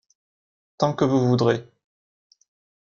Tant que vous voudrez.